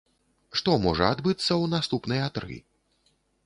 Што можа адбыцца ў наступныя тры?